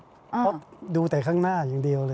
เพราะดูแต่ข้างหน้าอย่างเดียวเลย